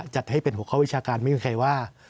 จัดให้เป็นหัวข้อวิชาการไม่มีใครว่า